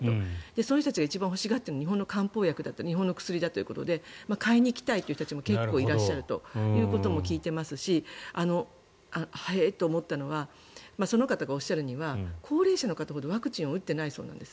そういう人たちが一番欲しがっているのは日本の漢方薬だったり日本の薬だったりとかで買いに行きたい人も結構いらっしゃるということも聞いていますしえ？と思ったのはその方がおっしゃるには高齢者の方ほどワクチンを打ってないそうなんです。